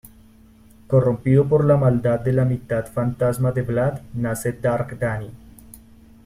Corrompido por la maldad de la mitad fantasma de Vlad, nace Dark Danny.